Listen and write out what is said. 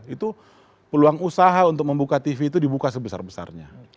itu peluang usaha untuk membuka tv itu dibuka sebesar besarnya